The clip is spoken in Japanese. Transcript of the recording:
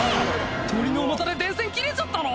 鳥の重さで電線切れちゃったの？